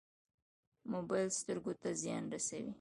موبایل سترګو ته زیان رسوي